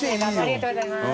・ありがとうございます。